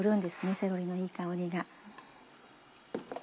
セロリのいい香りが。